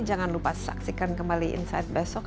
jangan lupa saksikan kembali insight besok